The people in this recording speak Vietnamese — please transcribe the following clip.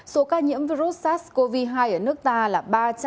số ca nhiễm virus sars cov hai ở nước ta là ba trăm năm mươi năm